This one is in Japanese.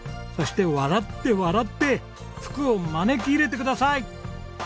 そして笑って笑って福を招き入れてください！